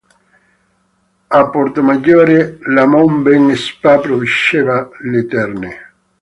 A Portomaggiore la Mond-Ben Spa produceva le terne.